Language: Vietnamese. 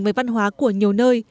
đối với văn hóa của nhiều nơi